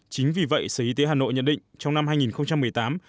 chính vì vậy sở y tế hà nội nhận định trong năm hai nghìn một mươi tám